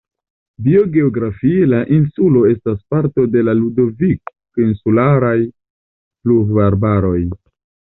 Biogeografie la insulo estas parto de la Ludovik-insularaj pluvarbaroj.